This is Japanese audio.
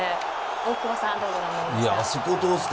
大久保さんどうご覧になりますか？